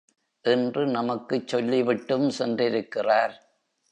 என்று நமக்குச் சொல்லி விட்டும் சென்றிருக்கிறார்.